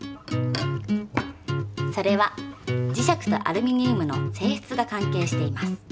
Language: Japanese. それは磁石とアルミニウムのせいしつが関係しています。